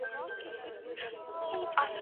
يوڅه انا زړه وه ، يو څه توره تېره وه.